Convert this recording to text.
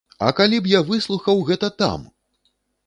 А калі б я выслухаў гэта там!